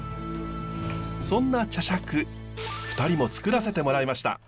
そんな茶しゃく２人もつくらせてもらいました。